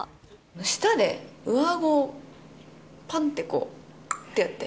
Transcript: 舌で上あごをぱんって、こう、ってやって。